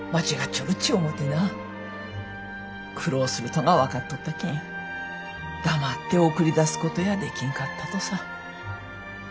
苦労するとが分かっとったけん黙って送り出すことやできんかったとさ。